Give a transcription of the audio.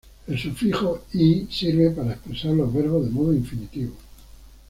El sufijo "-y" sirve para expresar los verbos de modo infinitivo.